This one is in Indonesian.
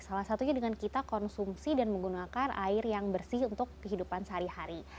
salah satunya dengan kita konsumsi dan menggunakan air yang bersih untuk kehidupan sehari hari